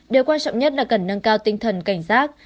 điều quan trọng nhất là cần nâng cao tinh thần cảnh giác